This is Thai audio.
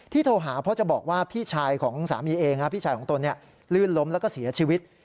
โทรหาเพราะจะบอกว่าพี่ชายของสามีเองพี่ชายของตนลื่นล้มแล้วก็เสียชีวิต